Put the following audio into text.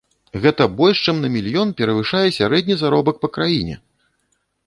Гэта больш чым на мільён перавышае сярэдні заробак па краіне!